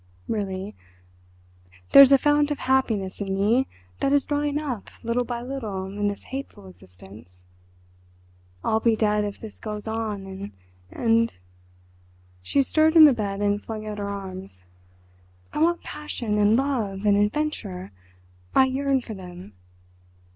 Really, there's a fount of happiness in me, that is drying up, little by little, in this hateful existence. I'll be dead if this goes on—and"—she stirred in the bed and flung out her arms—"I want passion, and love, and adventure—I yearn for them.